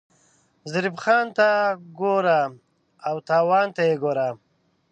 ظریف خان ته ګوره او تاوان ته یې ګوره.